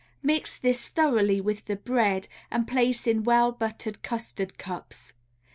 Mix this thoroughly with the bread and place in well buttered custard cups.